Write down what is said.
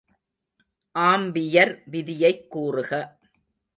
Ampere விதியைக் கூறுக.